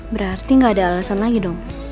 berarti gak ada alasan lagi dong